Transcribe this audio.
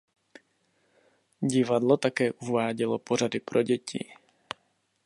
Divadlo také uvádělo pořady pro děti.